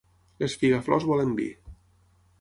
Les figaflors volen vi.